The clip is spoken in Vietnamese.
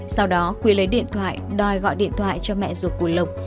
sau đó quy lấy điện thoại đòi gọi điện thoại cho mẹ ruột của lộc